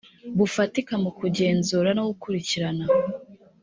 bufatika mu kugenzura no gukurikirana